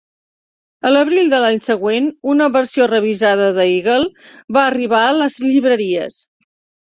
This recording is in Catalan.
A l'abril de l'any següent, una versió revisada de "Eagle" va arribar a les llibreries.